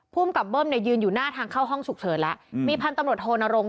ภูมิกับเบิ้มเนี่ยยืนอยู่หน้าทางเข้าห้องฉุกเฉินแล้วมีพันธุ์ตำรวจโทนรงค